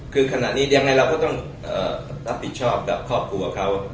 คือขณะนี้ยังไงเราก็ต้องรับผิดชอบกับครอบครัวเขา